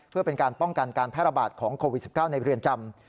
เพื่อเป็นการป้องกันการแพร่ระบาดของโควิด๑๙ในเรือนจำ